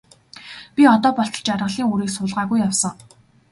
Би одоо болтол жаргалын үрийг суулгаагүй явсан.